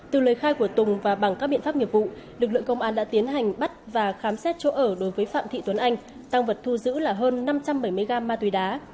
từ lời khai của tùng và bằng các biện pháp nghiệp vụ lực lượng công an đã tiến hành bắt và khám xét chỗ ở đối với phạm thị tuấn anh tăng vật thu giữ là hơn năm trăm bảy mươi gram ma túy đá